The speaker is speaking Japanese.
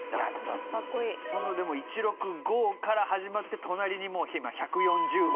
そんなでもイチロクゴから始まって隣にもう今１４０億。